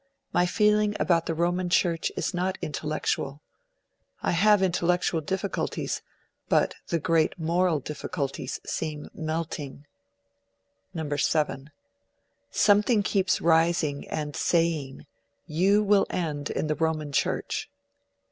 My feeling about the Roman Church is not intellectual. I have intellectual difficulties, but the great moral difficulties seem melting. (3) Something keeps rising and saying, "You will end in the Roman Church".